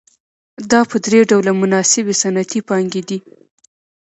دا په درې ډوله مناسبې صنعتي پانګې دي